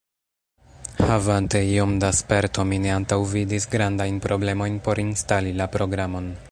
Havante iom da sperto, mi ne antaŭvidis grandajn problemojn por instali la programon.